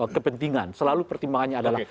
kepentingan selalu pertimbangannya adalah